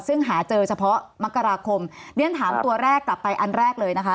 ซึ่งหาเจอเฉพาะมกราคมเรียนถามตัวแรกกลับไปอันแรกเลยนะคะ